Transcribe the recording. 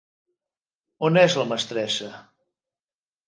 On és la mestressa?